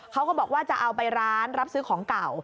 เขาก็บอกว่าจะเอาไปร้านรับซื้อของเก่า